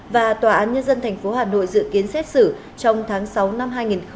và tòa án nhân dân tp hà nội dự kiến xét xử trong tháng sáu năm hai nghìn hai mươi